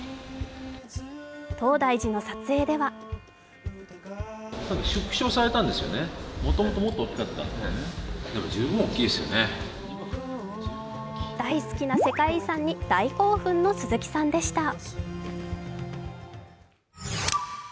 東大寺の撮影では大好きな世界遺産に大興奮の鈴木さんでした。